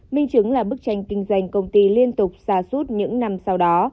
minh chứng là bức tranh kinh doanh công ty liên tục xa suốt những năm sau đó